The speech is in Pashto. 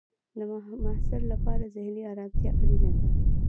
د محصل لپاره ذهنی ارامتیا اړینه ده.